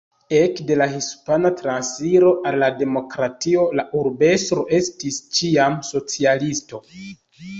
Ekde la Hispana Transiro al la Demokratio la urbestro estis ĉiam socialisto.